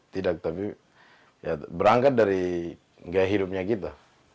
tidak tapi ya berangkat dari gaya hidupnya kita